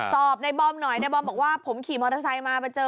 สอบในบอมหน่อยในบอมบอกว่าผมขี่มอเตอร์ไซค์มาไปเจอ